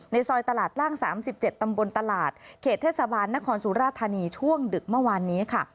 ซอยตลาดร่าง๓๗ตำบลตลาดเขตเทศบาลนครสุราธานีช่วงดึกเมื่อวานนี้ค่ะ